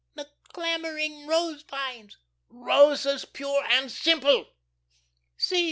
"'The clambering rose vines '" "Roses, pure and simple." "'See!